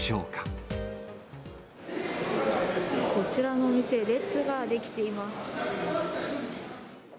こちらのお店、列が出来ています。